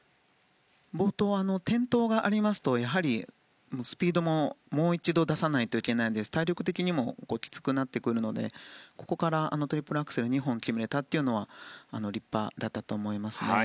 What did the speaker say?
冒頭、転倒がありますとスピードももう一度出さないといけないので体力的にもきつくなってくるのでトリプルアクセルを２本決められたというのは立派だったと思います。